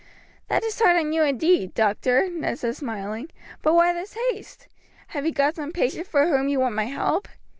"That is hard on you indeed, doctor," Ned said, smiling; "but why this haste? Have you got some patient for whom you want my help?